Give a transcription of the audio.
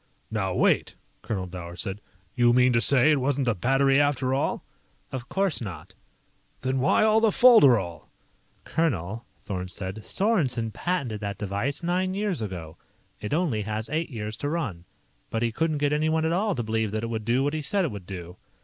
"Now wait " Colonel Dower said. "You mean to say it wasn't a battery after all?" "Of course not." "Then why all the folderol?" "Colonel," Thorn said, "Sorensen patented that device nine years ago. It only has eight years to run. But he couldn't get anyone at all to believe that it would do what he said it would do.